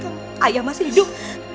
ayah masih hidup